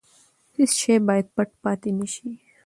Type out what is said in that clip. هیڅ شی باید پټ پاتې نه شي.